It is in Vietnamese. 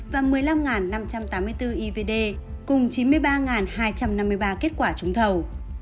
ba mươi sáu một trăm chín mươi một vật tư y tế và một mươi năm năm trăm tám mươi bốn ivd cùng chín mươi ba hai trăm năm mươi ba kết quả trúng thầu